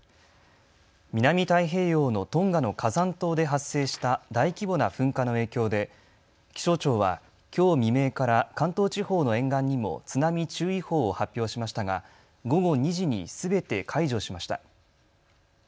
南太平洋のトンガの火山島で発生した大規模な噴火の影響で気象庁は、きょう未明から関東地方の沿岸にも津波注意報を発表しましたが午後２時にすべて解除しました。